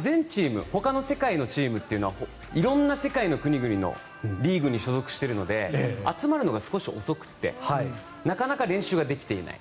全チームほかの世界のチームというのは色んな世界の国々のリーグに所属しているので集まるのが少し遅くてなかなか練習ができていない。